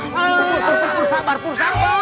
pur sabar pur